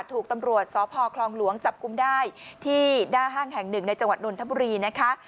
ถูกตำรวจสพคลองหลวงจับกุมได้ที่หน้าห้างแห่งหนึ่งในจังหวัดนนทบุรีนะคะ